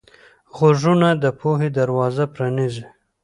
غوږونه د پوهې دروازه پرانیزي